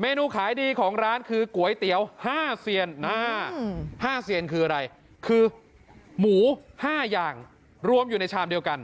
เมนูขายดีของร้านคือก๋วยเตี๋ยว๕เซียน๕เซียนคืออะไรคือหมู๕อย่างรวมอยู่ในชามเดียวกัน